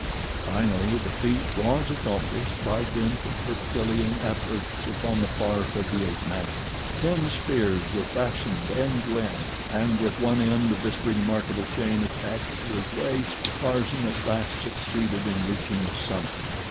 Finally the feat was accomplished by dint of herculean efforts upon the part of the ape man. Ten spears were fastened end to end, and with one end of this remarkable chain attached to his waist, Tarzan at last succeeded in reaching the summit.